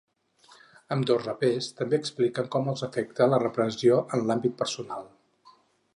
Ambdós rapers també expliquen com els afecta la repressió en l’àmbit personal.